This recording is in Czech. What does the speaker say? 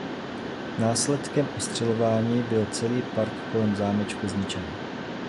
Následkem ostřelování byl celý park kolem zámečku zničen.